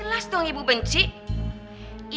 ibu mana di dunia ini yang benci sama romana